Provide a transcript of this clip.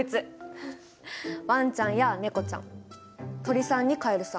ワンちゃんやネコちゃん鳥さんにカエルさん。